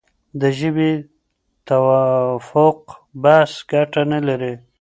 د ژبې د تفوق بحث ګټه نه لري.